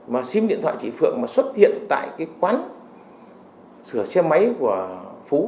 mà sim điện thoại chị phượng mà xuất hiện tại cái quán sửa xe máy của phú